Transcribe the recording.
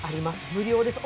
無料です。